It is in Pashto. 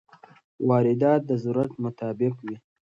واردات د ضرورت مطابق وي.